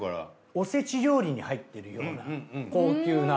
おせち料理に入ってるような高級な。